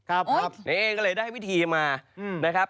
ไอ้ก็เลยได้วิธีมานะครับ